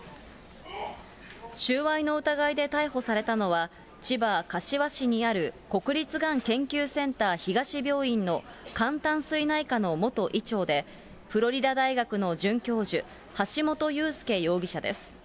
収賄の疑いで逮捕されたのは、千葉・柏市にある国立がん研究センター東病院の肝胆膵内科の元医長で、フロリダ大学の准教授、橋本裕輔容疑者です。